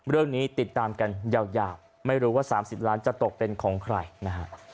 เรื่องนี้ติดตามกันยาวไม่รู้ว่า๓๐ล้านจะตกเป็นของใครนะฮะ